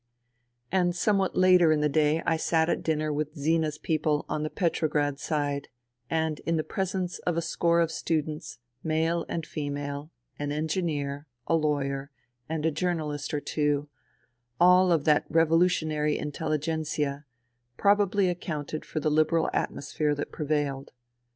And somewhat later in the day I sat at dinner with Zina's people on the Petrograd side, and the presence of a score of students, male and female, an engineer, a lawyer, and a journalist or two, all of that revolu tionary intelligentsia, probably accounted for the Liberal atmosphere that prevailed.